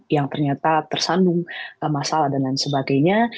yang ternyata tersandung masalah dan lain sebagainya